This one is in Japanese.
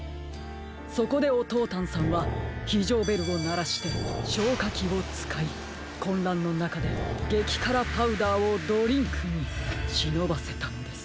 そこでオトータンさんはひじょうベルをならしてしょうかきをつかいこんらんのなかでげきからパウダーをドリンクにしのばせたのです。